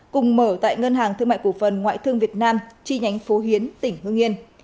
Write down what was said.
cùng mở tại ngân hàng thương mại cổ phần ngoại thương việt nam chi nhánh phố hiến tỉnh hương yên